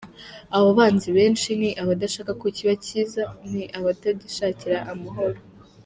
Abo banzi benshi ni abadashaka ko kiba cyiza, ni abatagishakira amahoro”.